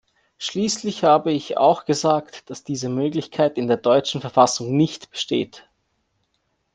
Schließlich habe ich auch gesagt, dass diese Möglichkeit in der deutschen Verfassung nicht besteht.